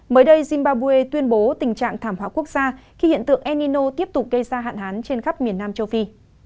mới đây zimbabwe tuyên bố tình trạng thảm họa quốc gia khi hiện tượng enino tiếp tục gây ra hạn hán trên khắp miền nam châu phi